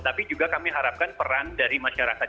tapi juga kami harapkan peran dari masyarakat